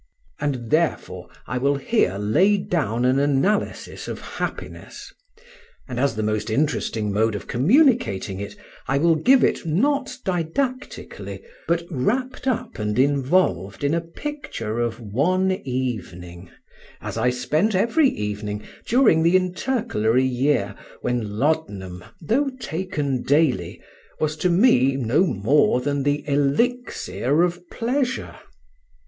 And therefore I will here lay down an analysis of happiness; and as the most interesting mode of communicating it, I will give it, not didactically, but wrapped up and involved in a picture of one evening, as I spent every evening during the intercalary year when laudanum, though taken daily, was to me no more than the elixir of pleasure.